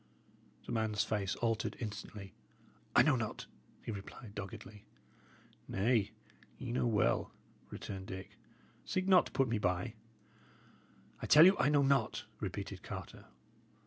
The man's face altered instantly. "I know not," he replied, doggedly. "Nay, ye know well," returned Dick. "Seek not to put me by." "I tell you I know not," repeated Carter.